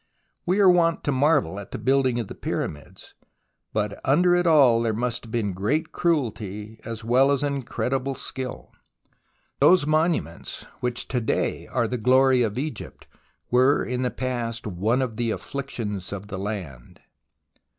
We are wont to marvel at the building of the Pyramids, but under it all there must have been great cruelty as well as an incredible skill. Those monuments which to day are the glory of Egypt, were in the past one of the afflictions of the land.